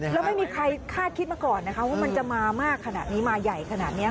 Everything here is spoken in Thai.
แล้วไม่มีใครคาดคิดมาก่อนนะคะว่ามันจะมามากขนาดนี้มาใหญ่ขนาดนี้